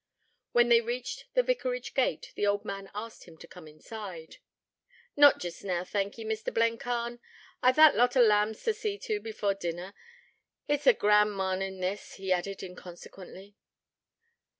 When they reached the vicarage gate, the old man asked him to come inside. 'Not jest now, thank ye, Mr. Blencarn. I've that lot o' lambs t' see to before dinner. It's a grand marnin', this,' he added, inconsequently.